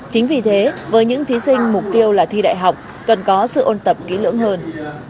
chính vì thế với những thí sinh mục tiêu là thi đại học cần có sự ôn tập kỹ lưỡng hơn